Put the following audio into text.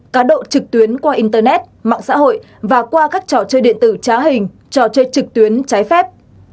cá độ trực tuyến qua internet mạng xã hội và qua các trò chơi điện tử trá hình trò chơi trực tuyến trái phép